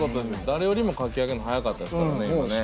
誰よりも書き上げるの早かったですからね今ね。